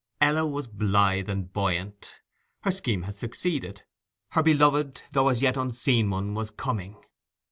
Ella was blithe and buoyant. Her scheme had succeeded; her beloved though as yet unseen one was coming.